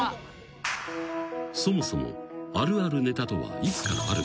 ［そもそもあるあるネタとはいつからあるのか？］